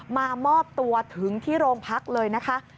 มามอบตัวถึงที่โรงพักเลยนะคะ